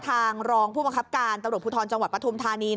ทางร้องผู้มะครับการดรพุทธรจังหวัดประทุมธานี